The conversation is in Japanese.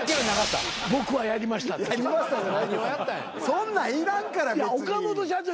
そんなんいらんから別に。